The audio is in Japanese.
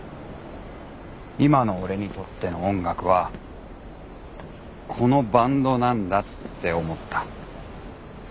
今の俺にとっての音楽はこのバンドなんだって思った。